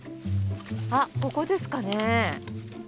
あっここですかね？